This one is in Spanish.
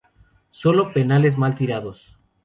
Sólo penales mal tirados.